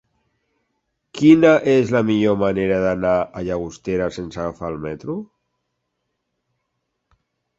Quina és la millor manera d'anar a Llagostera sense agafar el metro?